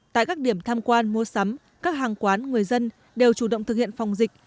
tại các điểm tham quan mua sắm các hàng quán người dân đều chủ động thực hiện phòng dịch